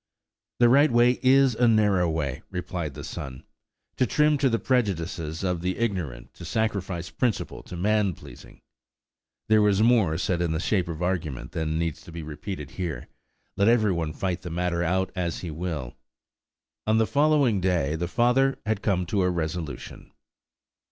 "The right way is a narrow way," replied the son; "to trim to the prejudices of the ignorant is to sacrifice principle to man pleasing." There was more said in the shape of argument than needs to be repeated here–let every one fight the matter out as he will. On the following day, the father had come to a resolution.